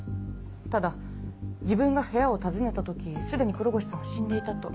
ただ自分が部屋を訪ねた時すでに黒越さんは死んでいたと。